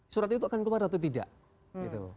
surat itu akan keluar atau tidak gitu